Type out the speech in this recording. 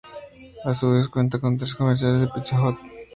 A su vez cuenta con tres comerciales de Pizza Hut.